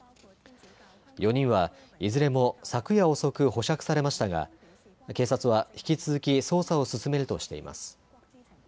４人はいずれも昨夜遅く保釈されましたが警察は引き続き捜査を進めるとしています。